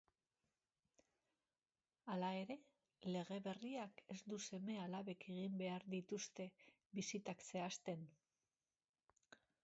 Hala ere, lege berriak ez du seme-alabek egin behar dituzte bisitak zehazten.